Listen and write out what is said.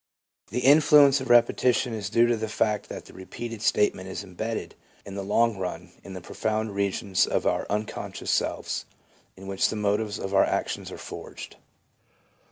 The influence of repetition is due to the fact that the repeated statement is embedded in the long run in the profound regions of our unconscious selves, in which the motives of our actions are forged.